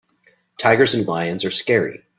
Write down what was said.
Tigers and lions are scary.